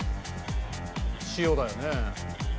「塩だよね」